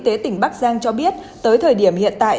tối một bảy sở y tế tỉnh bắc giang cho biết tới thời điểm hiện tại